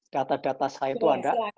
data data saya itu ada